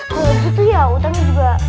terus gitu ya utangnya juga